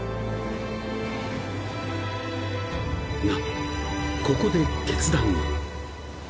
［がここで決断を］